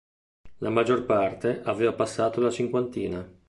La maggior parte aveva passato la cinquantina.